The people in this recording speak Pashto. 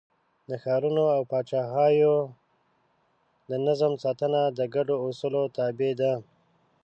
د ښارونو او پاچاهیو د نظم ساتنه د ګډو اصولو تابع ده.